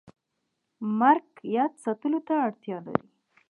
مرګ یاد ساتلو ته اړتیا لري